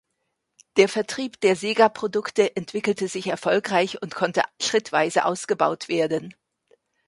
Der Vertrieb der Sega-Produkte entwickelte sich erfolgreich und konnte schrittweise ausgebaut werden.